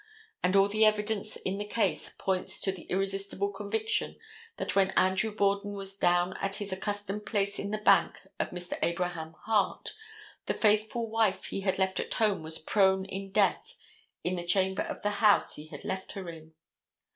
And all the evidence in the case points to the irresistible conviction that when Andrew Borden was down at his accustomed place in the bank of Mr. Abraham Hart, the faithful wife he had left at home was prone in death in the chamber of the house he had left her in.